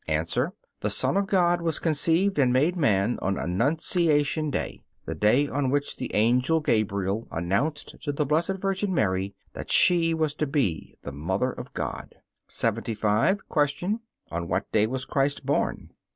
A. The Son of God was conceived and made man on Annunciation day the day on which the Angel Gabriel announced to the Blessed Virgin Mary that she was to be the Mother of God. 75. Q. On what day was Christ born?